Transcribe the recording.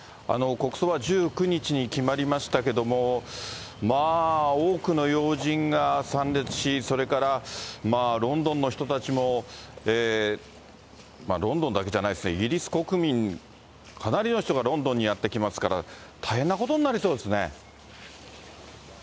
国葬は１９日に決まりましたけれども、多くの要人が参列し、それからロンドンの人たちも、ロンドンだけじゃないですね、イギリス国民、かなりの人がロンドンにやって来ますから、大変なことになりそうですね。